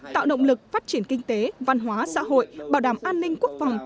tạo động lực phát triển kinh tế văn hóa xã hội bảo đảm an ninh quốc phòng